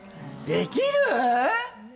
できる？